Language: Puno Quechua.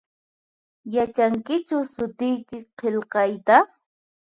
Yachankichu sutiyki qilqayta?